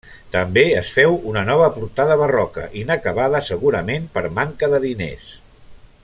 També es féu una nova portada barroca, inacabada segurament per manca de diners.